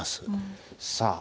さあ。